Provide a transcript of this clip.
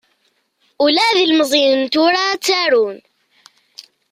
Ula d ilmeẓyen n tura ttarun.